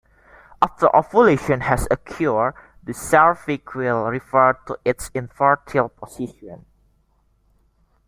After ovulation has occurred, the cervix will revert to its infertile position.